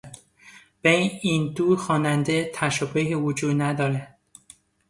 بین این دو خواننده تشابهی وجود ندارد.